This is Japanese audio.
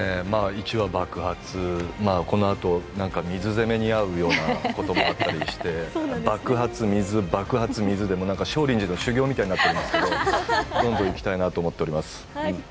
１話爆発、このあと、水攻めにあうようなこともあったりして爆発、水、爆発、水で少林寺の修行みたいになってるんですけれども、どんどんいきたいなと思っております。